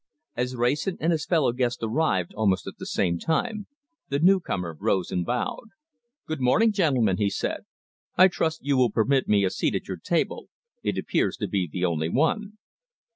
As Wrayson and his fellow guest arrived almost at the same time, the newcomer rose and bowed. "Good morning, gentlemen!" he said. "I trust you will permit me a seat at your table. It appears to be the only one."